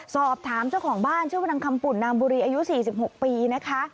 สอบถามเจ้าของบ้านชื่อว่านางคำปุ่นนามบุรีอายุ๔๖ปีนะคะ